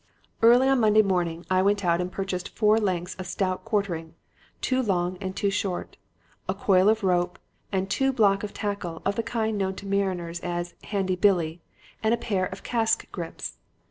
"Early on Monday morning I went out and purchased four lengths of stout quartering two long and two short a coil of rope, a two block tackle of the kind known to mariners as a 'handy Billy' and a pair of cask grips.